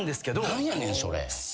何やねんそれ？